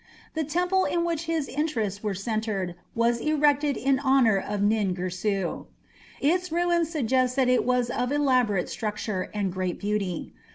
The temple in which his interests were centred was erected in honour of Nin Girsu. Its ruins suggest that it was of elaborate structure and great beauty.